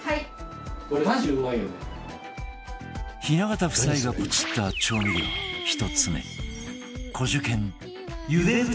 雛形夫妻がポチった調味料１つ目